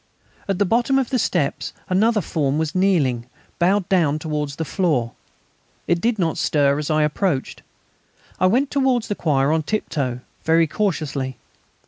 At the bottom of the steps another form was kneeling, bowed down towards the floor; it did not stir as I approached. I went towards the choir on tip toe, very cautiously.